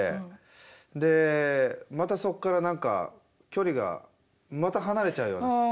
でまたそっから何か距離がまた離れちゃうような。